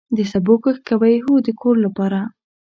د سبو کښت کوئ؟ هو، د کور لپاره